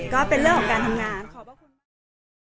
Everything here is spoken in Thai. ก็เป็นเรื่องของการทำงาน